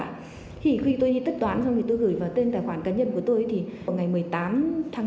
thì khi tôi đi tất toán xong thì tôi gửi vào tên tài khoản cá nhân của tôi thì vào ngày một mươi tám tháng năm